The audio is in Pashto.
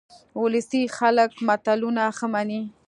ولسي خلک متلونه ښه مني